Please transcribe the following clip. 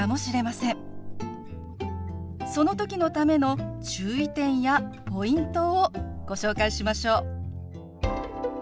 その時のための注意点やポイントをご紹介しましょう！